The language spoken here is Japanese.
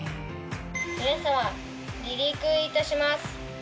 皆さま離陸いたします。